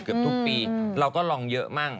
เกือบทุกปีเราก็ลองเยอะมั่ง